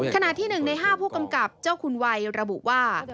ขณะที่๑ใน๕ผู้กำกับเจ้าคุณวัยระบุว่า